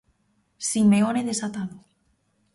Simeone desatado.